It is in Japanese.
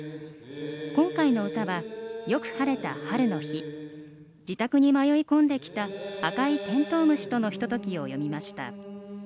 今回の歌は、よく晴れた春の日自宅に迷い込んできた赤い天道虫とのひとときを詠みました。